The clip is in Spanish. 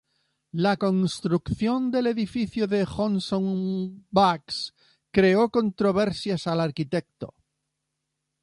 La construcción del edificio de la Johnson Wax creó controversias al arquitecto.